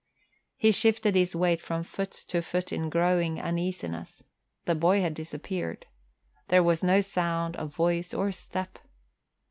He shifted his weight from foot to foot in growing uneasiness. The boy had disappeared. There was no sound of voice or step.